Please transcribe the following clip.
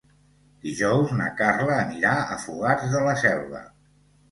Dijous na Carla anirà a Fogars de la Selva.